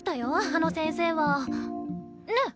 あの先生は。ね？